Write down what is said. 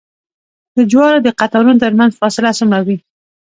د جوارو د قطارونو ترمنځ فاصله څومره وي؟